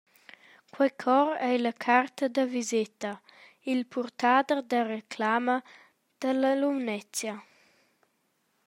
Quei chor ei la carta da viseta, il purtader da reclama, dalla Lumnezia.